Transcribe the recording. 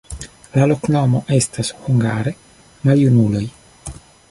La loknomo estas hungare: maljunuloj.